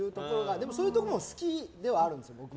でも、そういうところも好きではあるんですよ。